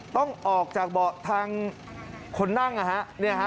ต้องออกจากเบาะทางคนนั่งนะฮะ